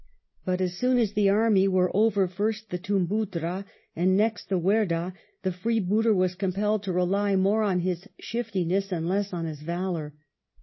But as soon as the army were over first the Toombuddra and next the Werdah, the freebooter was compelled to rely more on his shiftiness and less on his valour.